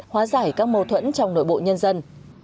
hóa giải các mâu thuẫn trong nội bộ nhân dân